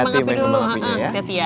hati hati main kembang apinya ya